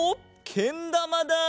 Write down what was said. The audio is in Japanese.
けんだまだ！